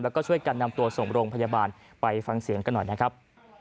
แล้วก็ช่วยกันนำตัวส่งโรงพยาบาลไปฟังเสียงกันหน่อยนะครับ